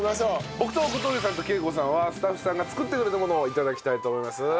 僕と小峠さんと桂子さんはスタッフさんが作ってくれたものを頂きたいと思います。